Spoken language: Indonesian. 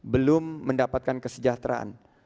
belum mendapatkan kesejahteraan